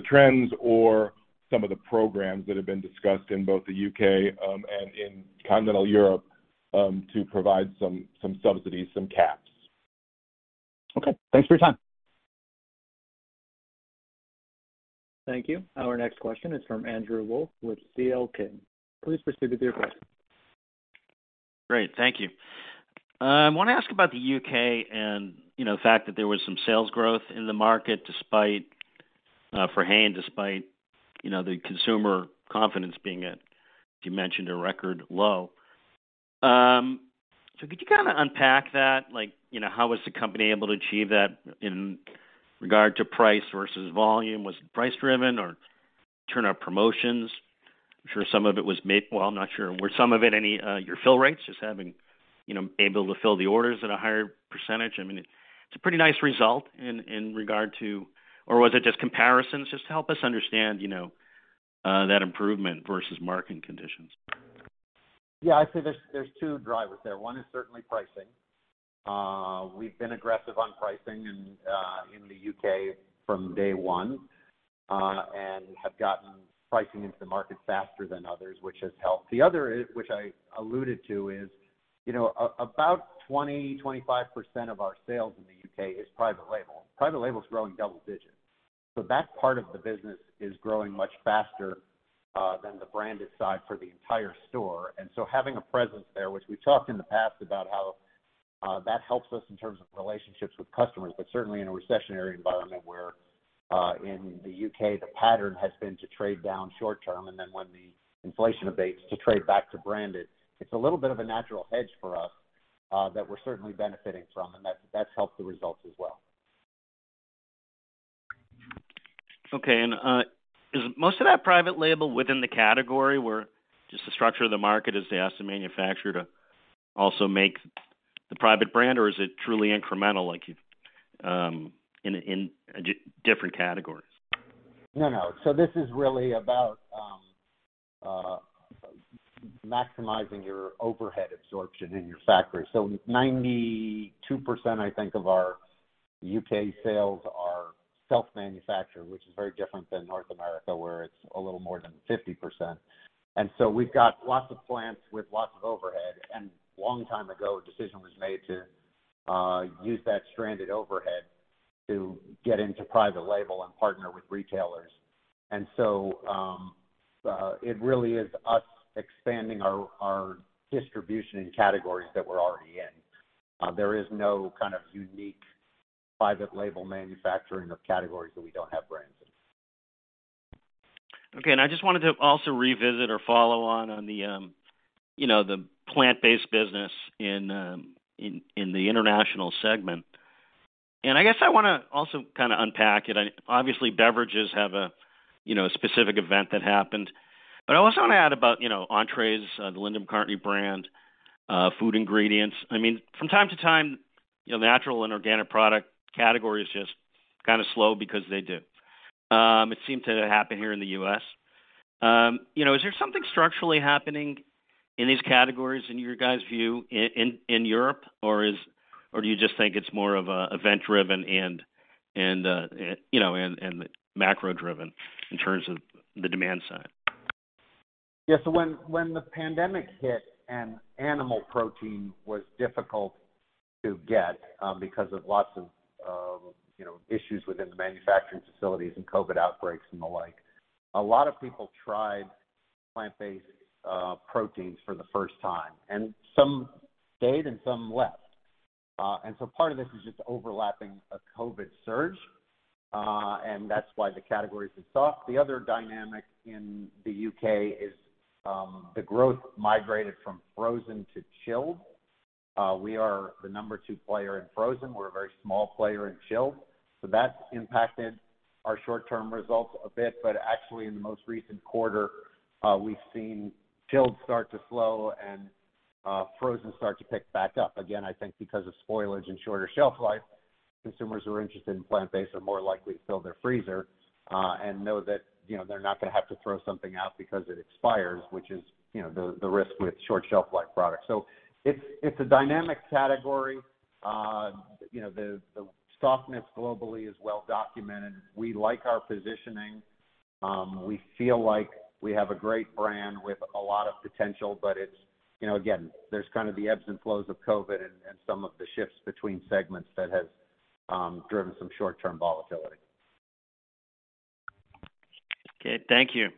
trends or some of the programs that have been discussed in both the U.K., and in continental Europe, to provide some subsidies, some caps. Okay. Thanks for your time. Thank you. Our next question is from Andrew Wolf with C.L. King. Please proceed with your question. Great, thank you. I want to ask about the U.K. and the fact that there was some sales growth in the market despite, for Hain, despite the consumer confidence being at, as you mentioned, a record low. Could you unpack that? How was the company able to achieve that in regard to price versus volume? Was it price driven or tuned up promotions? I'm sure some of it was made. Well, I'm not sure. Were some of it your fill rates, just having been able to fill the orders at a higher percentage? It's a pretty nice result in regard to. Or was it just comparisons? Just help us understand that improvement versus market conditions. Yeah, I'd say there's two drivers there. One is certainly pricing. We've been aggressive on pricing in the U.K. from day one, and have gotten pricing into the market faster than others, which has helped. The other, which I alluded to is, about 20%-25% of our sales in the U.K. is private label. Private label's growing double digits. So that part of the business is growing much faster than the branded side for the entire store. So having a presence there, which we've talked in the past about how that helps us in terms of relationships with customers, but certainly in a recessionary environment where, in the U.K., the pattern has been to trade down short term, and then when the inflation abates, to trade back to branded. It's a little bit of a natural hedge for us, that we're certainly benefiting from, and that's helped the results as well. Okay. is most of that private label within the category, where just the structure of the market is they ask the manufacturer to also make the private brand or is it truly incremental like in different categories? No. this is really about maximizing your overhead absorption in your factory. 92%, I think, of our U.K. sales are self-manufactured, which is very different than North America where it's a little more than 50%. we've got lots of plants with lots of overhead, and a long time ago, a decision was made to use that stranded overhead to get into private label and partner with retailers. it really is us expanding our distribution in categories that we're already in. There is no kind of unique private label manufacturing of categories that we don't have brands in. Okay. I just wanted to also revisit or follow on the plant-based business in the international segment. I guess I want to also kind of unpack it. Obviously, beverages have a specific event that happened, but I also want to add about entrees, the Linda McCartney brand, food ingredients. From time to time, natural and organic product category is just kind of slow because they do. It seemed to happen here in the U.S. Is there something structurally happening in these categories in your guys' view in Europe, or do you just think it's more of event-driven and macro-driven in terms of the demand side? Yeah. when the pandemic hit and animal protein was difficult to get because of lots of issues within the manufacturing facilities and COVID outbreaks and the like, a lot of people tried plant-based proteins for the first time, and some stayed, and some left. part of this is just overlapping a COVID surge. that's why the category is soft. The other dynamic in the U.K. is the growth migrated from frozen to chilled. We are the number two player in frozen. We're a very small player in chilled. that's impacted our short-term results a bit, but actually in the most recent quarter, we've seen chilled start to slow and frozen start to pick back up. Again, I think because of spoilage and shorter shelf life, consumers who are interested in plant-based are more likely to fill their freezer, and know that they're not going to have to throw something out because it expires, which is the risk with short shelf life products. it's a dynamic category. The softness globally is well documented. We like our positioning. We feel like we have a great brand with a lot of potential, but again, there's kind of the ebbs and flows of COVID and some of the shifts between segments that has driven some short-term volatility. Okay. Thank you.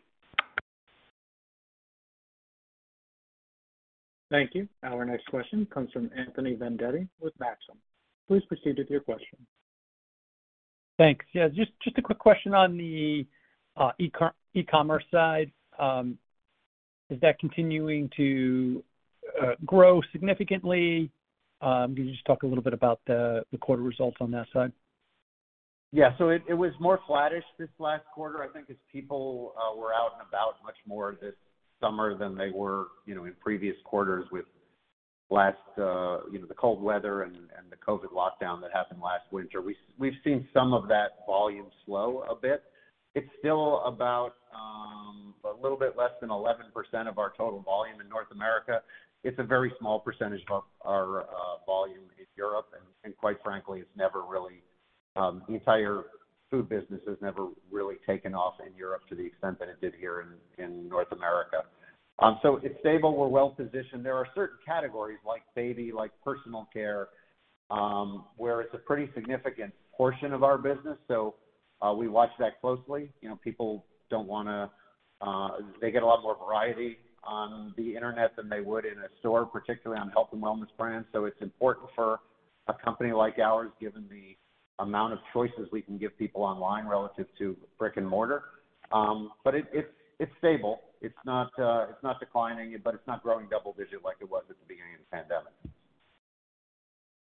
Thank you. Our next question comes from Anthony Vendetti with Maxim. Please proceed with your question. Thanks. Just a quick question on the e-commerce side. Is that continuing to grow significantly? Can you just talk a little bit about the quarter results on that side? It was more flattish this last quarter, I think, as people were out and about much more this summer than they were in previous quarters with the cold weather and the COVID lockdown that happened last winter. We've seen some of that volume slow a bit. It's still about a little bit less than 11% of our total volume in North America. It's a very small percentage of our volume in Europe, and quite frankly, the entire food business has never really taken off in Europe to the extent that it did here in North America. It's stable. We're well-positioned. There are certain categories like baby, like personal care, where it's a pretty significant portion of our business, so we watch that closely. People get a lot more variety on the internet than they would in a store, particularly on health and wellness brands. It's stable. It's not declining, but it's not growing double digit like it was at the beginning of the pandemic.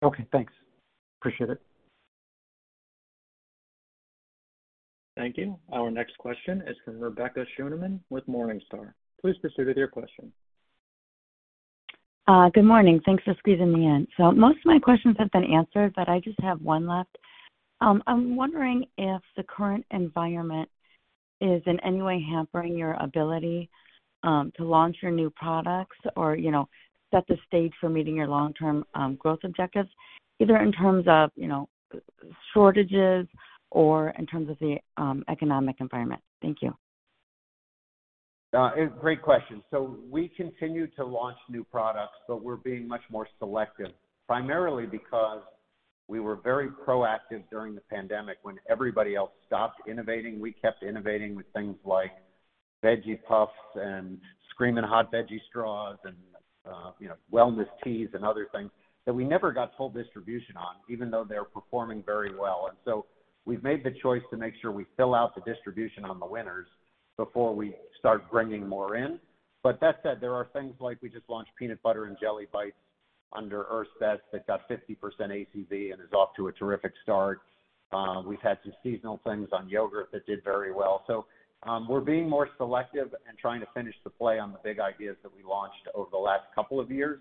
Okay, thanks. Appreciate it. Thank you. Our next question is from Rebecca Scheuneman with Morningstar. Please proceed with your question. Good morning. Thanks for squeezing me in. Most of my questions have been answered, but I just have one left. I'm wondering if the current environment is in any way hampering your ability to launch your new products or set the stage for meeting your long-term growth objectives, either in terms of shortages or in terms of the economic environment. Thank you. Great question. We continue to launch new products, but we're being much more selective, primarily because we were very proactive during the pandemic. When everybody else stopped innovating, we kept innovating with things like veggie puffs and Screamin' Hot Veggie Straws and wellness teas and other things that we never got full distribution on, even though they're performing very well. We've made the choice to make sure we fill out the distribution on the winners before we start bringing more in. That said, there are things like we just launched peanut butter and jelly bites under Earth's Best that got 50% ACV and is off to a terrific start. We've had some seasonal things on yogurt that did very well. We're being more selective and trying to finish the play on the big ideas that we launched over the last couple of years.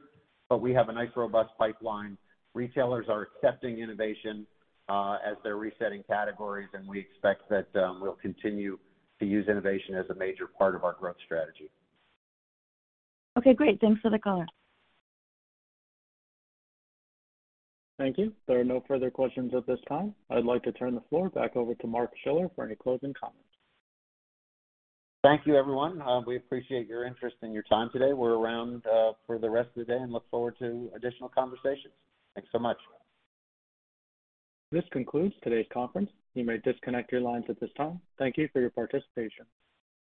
We have a nice, robust pipeline. Retailers are accepting innovation as they're resetting categories, and we expect that we'll continue to use innovation as a major part of our growth strategy. Okay, great. Thanks for the color. Thank you. There are no further questions at this time. I'd like to turn the floor back over to Mark Schiller for any closing comments. Thank you, everyone. We appreciate your interest and your time today. We're around for the rest of the day and look forward to additional conversations. Thanks so much. This concludes today's conference. You may disconnect your lines at this time. Thank you for your participation.